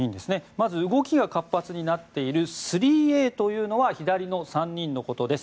まず、動きが活発になっている３Ａというのは左の３人のことです。